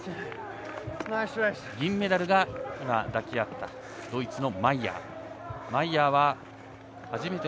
銀メダルがドイツのマイヤーです。